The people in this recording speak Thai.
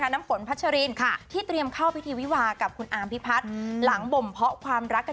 น้ำสนพัชรินทีเตรียมเข้า